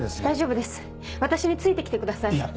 大丈夫です私について来てください。